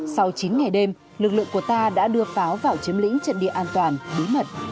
sau chín ngày đêm lực lượng của ta đã đưa pháo vào chiếm lĩnh trận địa an toàn bí mật